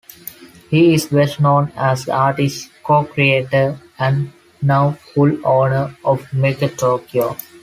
He is best known as the artist, co-creator, and now full owner of "Megatokyo".